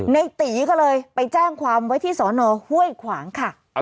ในตีก็เลยไปแจ้งความไว้ที่สอนอห้วยขวางค่ะ